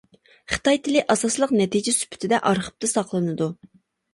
خىتاي تىلى ئاساسلىق نەتىجە سۈپىتىدە ئارخىپتا ساقلىنىدۇ.